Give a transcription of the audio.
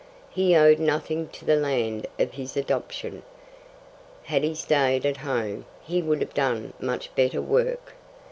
He owed nothing to the land of his adoption. Had he stayed at home he would have done much better work.